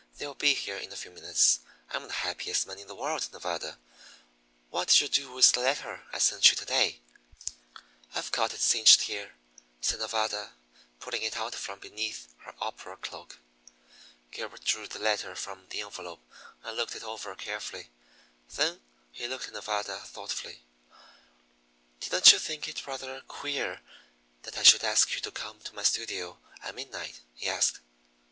They'll be here in a few minutes. I'm the happiest man in the world, Nevada! What did you do with the letter I sent you to day?" "I've got it cinched here," said Nevada, pulling it out from beneath her opera cloak. Gilbert drew the letter from the envelope and looked it over carefully. Then he looked at Nevada thoughtfully. "Didn't you think it rather queer that I should ask you to come to my studio at midnight?" he asked.